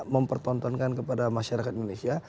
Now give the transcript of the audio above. mempertontonkan kepada masyarakat indonesia